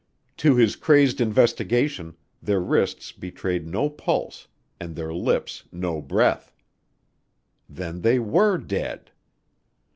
To his crazed investigation their wrists betrayed no pulse and their lips, no breath. Then they were dead!